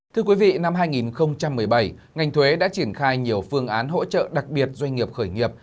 thưa quý vị năm hai nghìn một mươi bảy ngành thuế đã triển khai nhiều phương án hỗ trợ đặc biệt doanh nghiệp khởi nghiệp